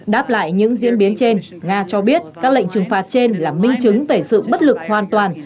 đáp lại những diễn biến trên nga cho biết các lệnh trừng phạt trên là minh chứng về sự bất lực hoàn toàn